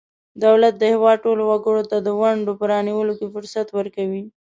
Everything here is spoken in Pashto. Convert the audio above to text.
دولت د هیواد ټولو وګړو ته د ونډو په رانیولو کې فرصت ورکوي.